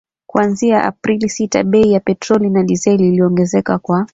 kuanzia Aprili sita bei ya petroli na dizeli iliongezeka kwa